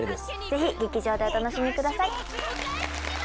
ぜひ劇場でお楽しみください。